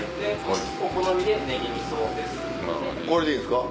これでいいんですか。